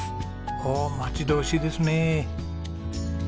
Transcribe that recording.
おお待ち遠しいですねえ。